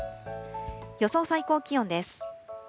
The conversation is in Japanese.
予想最高気温です。